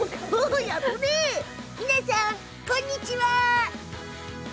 皆さん、こんにちは！